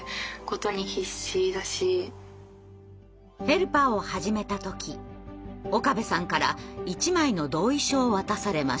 ヘルパーを始めた時岡部さんから１枚の同意書を渡されました。